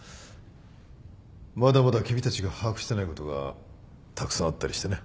まだまだ君たちが把握してないことがたくさんあったりしてね。